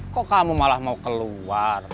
kok kamu malah mau keluar